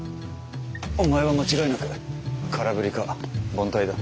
お前は間違いなく空振りか凡退だ。